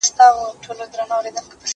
زه کولای سم ښوونځی ته ولاړ سم!؟